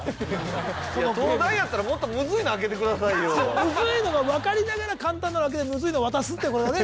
もっとムズいのが分かりながら簡単なの開けてムズいの渡すってことがね